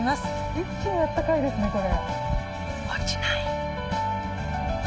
一気にあったかいですね、これ。